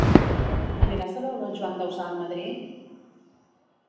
Aniràs a veure el Joan Dausà a Madrid?